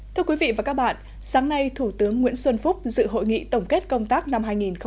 thưa quý vị và các bạn sáng nay thủ tướng nguyễn xuân phúc dự hội nghị tổng kết công tác năm hai nghìn một mươi chín